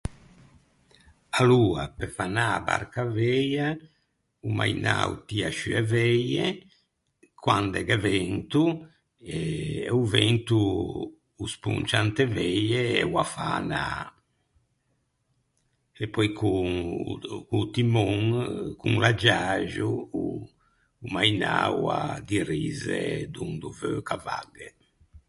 Aloa, pe fâ anâ a barca à veia o mainâ o tia sciù e veie, quande gh’é vento e o vento o sponcia inte veie e o â fa anâ. E pöi con o co-o timon, con l’agiaxo o mainâ o â dirizze dond’o veu ch’a vagghe.